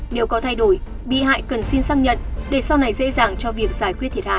nếu có thay đổi bị hại cần xin xác nhận để sau này dễ dàng cho việc giải quyết thiệt hại